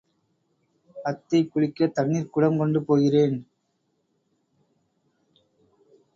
அத்தை குளிக்கத் தண்ணீர்க் குடம் கொண்டு போகிறேன்.